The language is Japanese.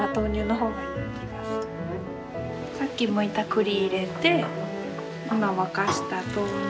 さっきむいた栗入れて今沸かした豆乳入れて。